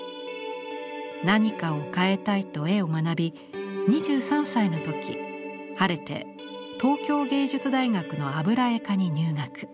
何かを変えたいと絵を学び２３歳の時晴れて東京藝術大学の油絵科に入学。